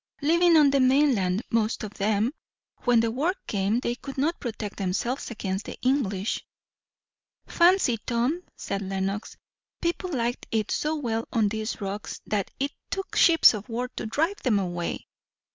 "Living on the mainland, most of them. When the war came, they could not protect themselves against the English." "Fancy, Tom," said Lenox. "People liked it so well on these rocks, that it took ships of war to drive them away!"